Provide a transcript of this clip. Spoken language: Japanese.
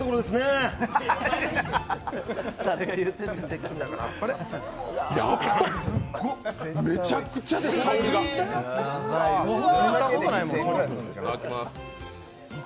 いただきます。